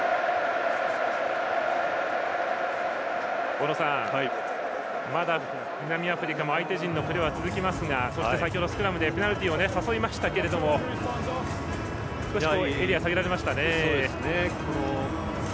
大野さん、まだ南アフリカも相手陣でのプレーは続きますがそして先程、スクラムでペナルティーを誘いましたが少しエリアを下げられましたね。